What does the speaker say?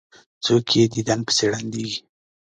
څوک یې دیدن پسې ړندیږي.